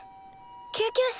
救急車？